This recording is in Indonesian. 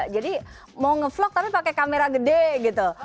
jadi mau ngevlog tapi pakai kamera gede gitu